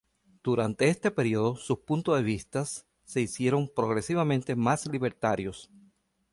Durante este período, sus puntos de vista se hicieron progresivamente más libertarios.